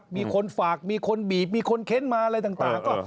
มีคนฝากมีคนบีบมีคนเค้นมาอะไรต่าง